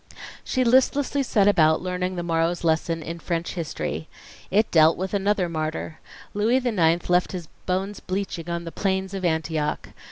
She listlessly set about learning the morrow's lesson in French History. It dealt with another martyr. Louis the Ninth left his bones bleaching on the plains of Antioch.